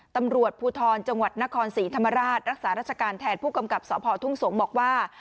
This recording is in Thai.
ตำรวจภูทรจังหวัดนครศรีธรรมราชรักษาราชการแทนผู้กำกับสพทุ่งสงศ์บอกว่า